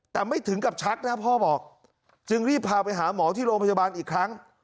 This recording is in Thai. แต่ไม่ถึงกับชักนะพ่อบอกจึงรีบพาไปหาหมอที่โรงพยาบาลอีกครั้ง